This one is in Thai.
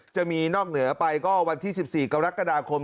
จะมีนอกเหนือไปก็วันที่๑๔กรกฎาคม